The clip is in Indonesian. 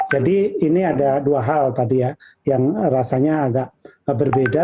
jadi ini ada dua hal tadi ya yang rasanya agak berbeda